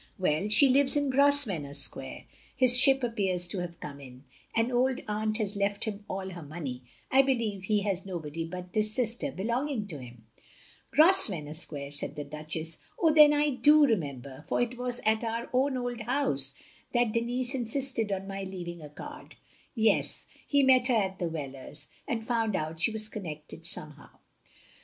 "Well she lives in Grosvenor Square — his ship OF GROSVENOR SQUARE 261 appears to have come in — an old aunt has left him all her money — I believe he has nobody but this one sister belonging to him. " "Grosvenor Square," said the Duchess, "oh, then I do remember; for it was at our own old house that Denis insisted on my leaving a card. Yes. He met her at the Whelers, and found out she was connected somehow.